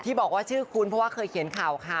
ที่บอกว่าชื่อคุณเพราะว่าเขาเขียนข่าว